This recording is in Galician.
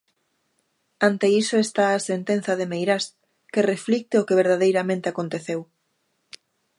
Ante iso está a sentenza de Meirás, que reflicte o que verdadeiramente aconteceu.